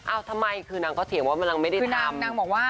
ทำไมคือนางก็เถียงว่ามันนางไม่ได้จำนางบอกว่า